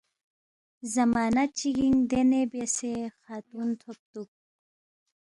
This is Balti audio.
زمانہ چِگِنگ دینے بیاسے خاتون تھوبتُوک